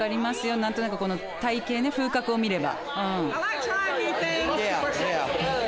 何となくこの体形ね風格を見れば。